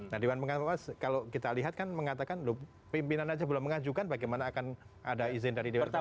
nah dewan pengawas kalau kita lihat kan mengatakan loh pimpinan aja belum mengajukan bagaimana akan ada izin dari dewan pengawa